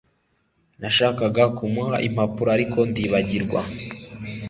nashakaga kumuha impapuro, ariko ndibagirwa